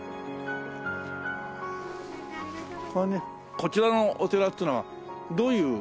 こちらのお寺っていうのはどういう？